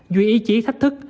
duy ý chí thách thức